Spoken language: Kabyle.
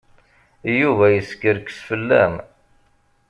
Yuba yeskerkes fell-am.